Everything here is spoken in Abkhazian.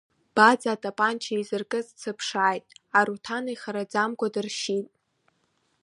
Баӡ атапанча изыркыз дсыԥшааит, Аруҭан ихараӡамкәа дыршьит…